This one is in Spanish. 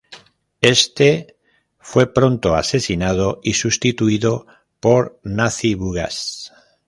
Éste fue pronto asesinado, y sustituido por Nazi-Bugash.